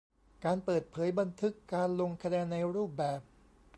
การเปิดเผยบันทึกการลงคะแนนในรูปแบบ